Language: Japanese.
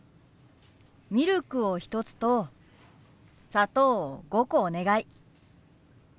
ミルクを１つと砂糖を５個お願い。